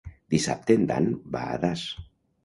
Dissabte en Dan va a Das.